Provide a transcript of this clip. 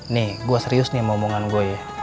nih gue serius nih mau omongan gue ya